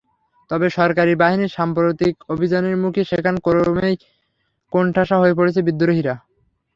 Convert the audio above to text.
তবে সরকারি বাহিনীর সাম্প্রতিক অভিযানের মুখে সেখানে ক্রমেই কোণঠাসা হয়ে পড়ছে বিদ্রোহীরা।